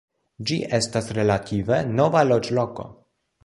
Ĝi estas relative nova loĝloko.